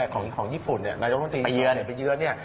ของญี่ปุ่นนายบรรทีนี้ที่มาเป็นไปเยื้อน